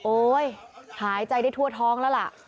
หายใจได้ทั่วท้องแล้วล่ะ